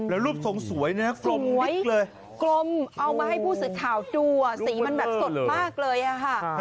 แล้วรูปทรงสวยนะครับกลมวิกเลยกลมเอามาให้ผู้สื่อข่าวดูสีมันแบบสดมากเลยค่ะ